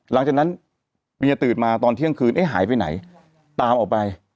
หลังจากนั้นเมียตื่นมาตอนเที่ยงคืนเอ๊ะหายไปไหนตามออกไป